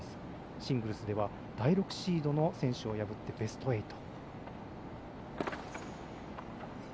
シングルスでは、第６シードの選手を破ってベスト８。